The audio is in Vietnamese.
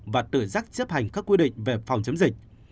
và tự giác chấp hành các quy định về phòng chống dịch